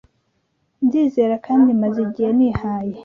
Ndizera kandi maze igihe nihaye